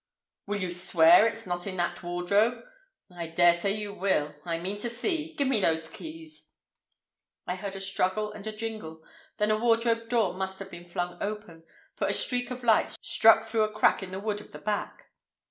"Will you swear it's not in that wardrobe? I dare say you will. I mean to see. Give me those keys." I heard a struggle and a jingle, then the wardrobe door must have been flung open, for a streak of light struck through a crack in the wood of the back.